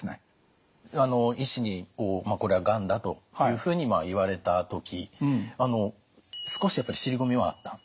医師にこれはがんだというふうに言われた時少しやっぱり尻込みはあった？